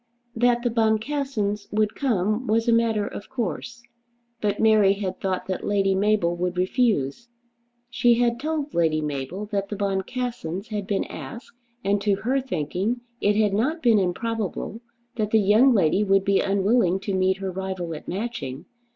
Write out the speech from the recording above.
That the Boncassens would come was a matter of course; but Mary had thought that Lady Mabel would refuse. She had told Lady Mabel that the Boncassens had been asked, and to her thinking it had not been improbable that the young lady would be unwilling to meet her rival at Matching.